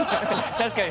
確かに。